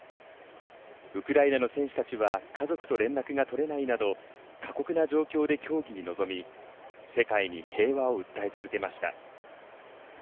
ウクライナの選手たちは家族と連絡が取れないなど過酷な状況で競技に臨み世界に平和を訴え続けました。